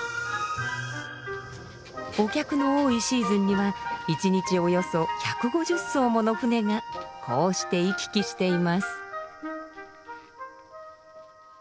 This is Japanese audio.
お客の多いシーズンには１日およそ１５０艘もの舟がこうして行き来しています。